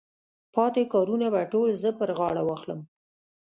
پاتې کارونه به ټول زه پر غاړه واخلم.